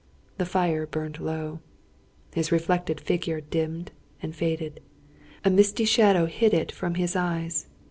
The fire burned low. His reflected figure dimmed and faded. A misty shadow hid it from his eyes.